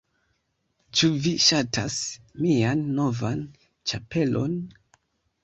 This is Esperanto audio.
Ĉu vi ŝatas mian novan ĉapelon?